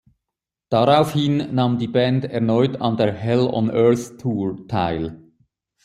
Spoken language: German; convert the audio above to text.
Daraufhin nahm die Band erneut an der Hell on Earth Tour teil.